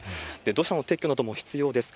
土砂の撤去なども必要です。